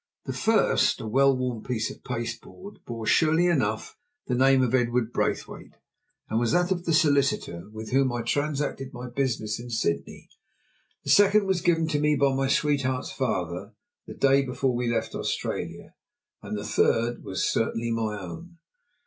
The first, a well worn piece of pasteboard, bore, surely enough, the name of Edward Braithwaite, and was that of the solicitor with whom I transacted my business in Sydney; the second was given me by my sweetheart's father the day before we left Australia; and the third was certainly my own.